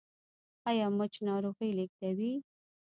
ایا مچ ناروغي لیږدوي؟